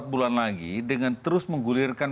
empat bulan lagi dengan terus menggulirkan